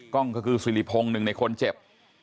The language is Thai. กล้องก็คือสิริพงศ์หนึ่งในคนเจ็บ